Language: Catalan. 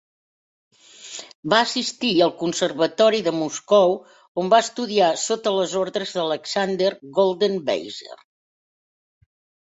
Va assistir al Conservatori de Moscou on va estudiar sota les ordres d"Alexander Goldenweiser.